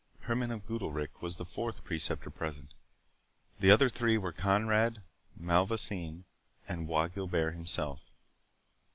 Herman of Goodalricke was the Fourth Preceptor present; the other three were Conrade, Malvoisin, and Bois Guilbert himself.